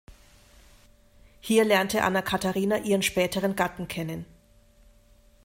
Hier lernte Anna Katharina ihren späteren Gatten kennen.